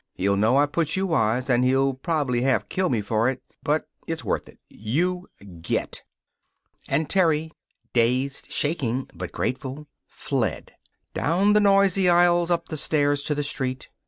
He'll know I put you wise, and he'll prob'ly half kill me for it. But it's worth it. You get." And Terry dazed, shaking, but grateful fled. Down the noisy aisle, up the stairs, to the street.